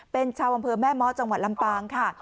เป็นชาวอำเภอแม่ม้อจังหวัดลำปางค่ะ